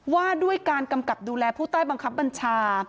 ว่าด้วยการกำกับดูแลผู้ใต้บังคับบัญชา